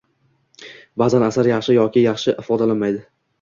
Ba’zan asar yaxshi yoki yaxshi ifodalanmaydi.